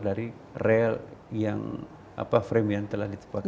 dia tidak pernah keluar dari real yang frame yang telah ditempatkan